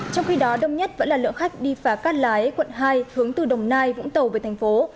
trong khi đó đông nhất vẫn là lượng khách đi phà cát lái quận hai hướng từ đồng nai vũng tàu về thành phố